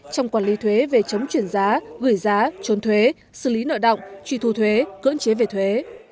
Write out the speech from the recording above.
trong quản lý thuế về chống chuyển giá gửi giá trốn thuế xử lý nợ động truy thu thuế cưỡng chế về thuế